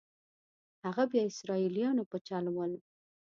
هغه بیا اسرائیلیانو په چل ول.